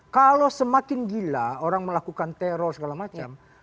kalau semakin gila orang melakukan teror segala macam